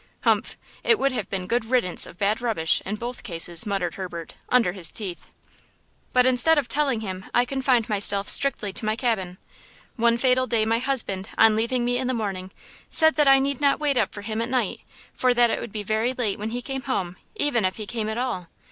"Humph! it would have been 'good riddance of bad rubbish' in both cases," muttered Herbert, under his teeth. "But instead of telling him I confined myself strictly to my cabin. One fatal day my husband, on leaving me in the morning, said that I need not wait up for him at night, for that it would be very late when he came, even if he came at all.